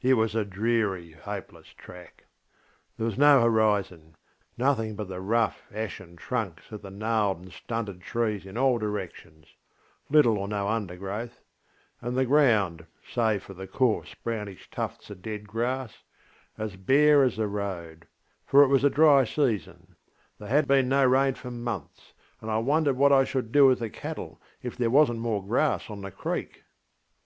It was a dreary, hopeless track. There was no horizon, nothing but the rough ashen trunks of the gnarled and stunted trees in all directions, little or no undergrowth, and the ground, save for the coarse, brownish tufts of dead grass, as bare as the road, for it was a dry season: there had been no rain for months, and I wondered what I should do with the cattle if there wasnŌĆÖt more grass on the creek.